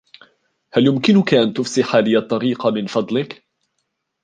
هل يمكنك أن تفسح لي الطريق من فضلك ؟